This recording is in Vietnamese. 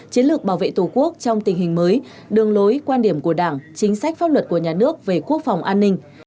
chiến lược bảo vệ tổ quốc trong tình hình mới đường lối quan điểm của đảng chính sách pháp luật của nhà nước về quốc phòng an ninh